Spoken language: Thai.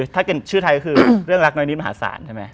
ถ้าเป็นชื่อไทยก็คือเรื่องรักน้อยนิดมหาศาลใช่ไหม